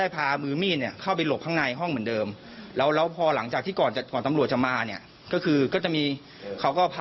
อาศัตรูผู้มีชื่อว่ารบหมื่นด้วยหน้ามอื่นก็จะรับเลยว่านี่ก็จะเป็นเพียงมันทุกท่านแล้วนะฮะ